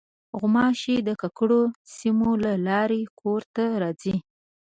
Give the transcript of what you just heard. غوماشې د ککړو سیمو له لارې کور ته راځي.